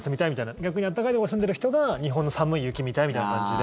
逆に暖かいところに住んでる人が日本の寒い雪見たいみたいな感じで。